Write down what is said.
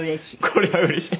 これはうれしい。